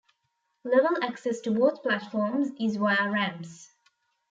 Level access to both platforms is via ramps.